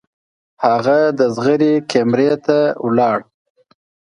هغه د زغرې کمرې ته لاړ.